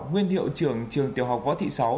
nguyên hiệu trưởng trường tiểu học võ thị sáu